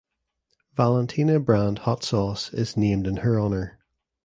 Valentina brand hot sauce is named in her honor.